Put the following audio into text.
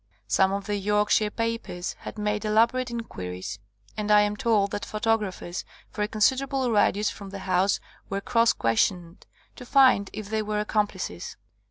Some of the Yorkshire papers had made elaborate inquiries, and I am told that photographers for a considerable radius from the house were cross questioned to find if they were accomplices.